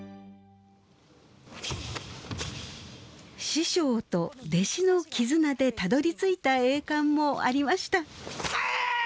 師匠と弟子の絆でたどりついた栄冠もありました。